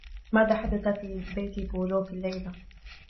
ماذا حدث في بيت بولوك الليلة ؟